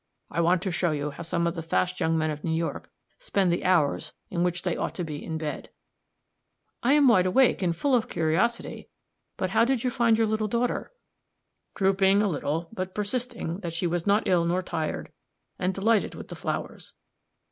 I want to show you how some of the fast young men of New York spend the hours in which they ought to be in bed." "I am wide awake, and full of curiosity; but how did you find your little daughter?" "Drooping a little, but persisting that she was not ill nor tired, and delighted with the flowers."